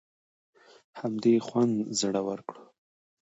همدې خوند زړور کړو.